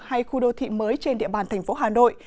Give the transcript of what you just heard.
hay khu đô thị mới trên địa bàn thành phố hà nội